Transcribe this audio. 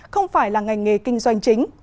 không phải là ngành nghề kinh doanh chính